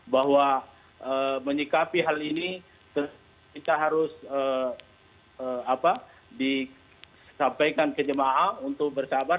bahwa menyikapi hal ini kita harus disampaikan ke jemaah untuk bersahabat